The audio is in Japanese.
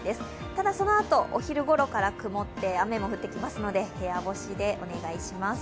ただそのあとお昼ごろから曇って、雨も降ってきますので部屋干しでお願いします。